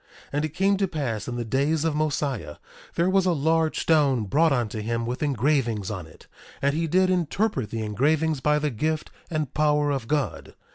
1:20 And it came to pass in the days of Mosiah, there was a large stone brought unto him with engravings on it; and he did interpret the engravings by the gift and power of God.